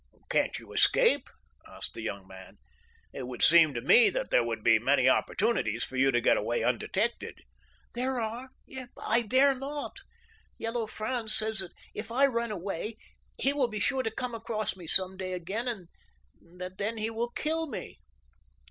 "Can't you escape?" asked the young man. "It would seem to me that there would be many opportunities for you to get away undetected." "There are, but I dare not. Yellow Franz says that if I run away he will be sure to come across me some day again and that then he will kill me."